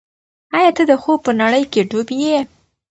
ایا ته د خوب په نړۍ کې ډوب یې؟